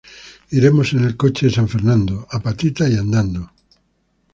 Iremos en el coche de San Fernando, a patita y andando